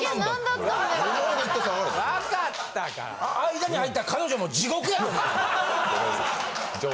間に入った彼女も地獄やと思う。